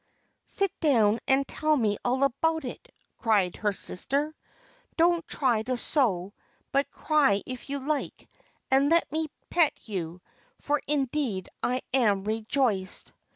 "Sit down, and tell me all about it," cried her sister. "Don't try to sew, but cry if you like, and let me pet you, for indeed I am rejoiced."